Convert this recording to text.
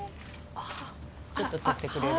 ちょっと取ってくれる？